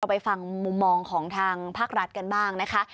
ไปฟังมุมมองของทางภาครัฐกันบ้างนะคะ